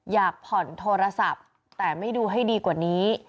อยากผ่อนโทรศัพท์แต่ไม่ดูให้ดีกว่านี้